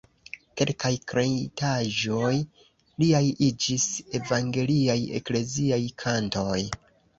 Kelkaj kreitaĵoj liaj iĝis evangeliaj ekleziaj kantoj.